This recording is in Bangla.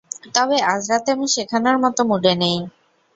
তবে, আজ রাতে আমি শেখানোর মতো মুডে নেই।